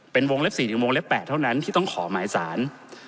เป็นวงเล็บ๔หรือวงเล็บ๘เท่านั้นที่ต้องขอหมายสาร